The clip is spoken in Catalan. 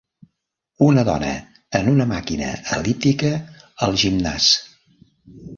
Una dona en una màquina el·líptica al gimnàs